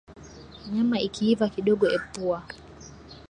Nyama ikiiva kidogo epua